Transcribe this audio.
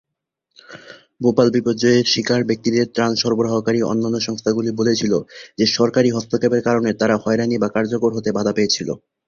ভোপাল বিপর্যয়ের শিকার ব্যক্তিদের ত্রাণ সরবরাহকারী অন্যান্য সংস্থাগুলি বলেছিল যে সরকারী হস্তক্ষেপের কারণে তারা হয়রানি বা কার্যকর হতে বাধা পেয়েছিল।